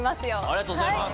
ありがとうございます。